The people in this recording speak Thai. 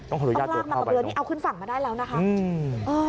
ต้องลากมากับเรือนี่เอาขึ้นฝั่งมาได้แล้วนะคะ